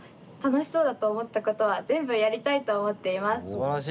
すばらしい！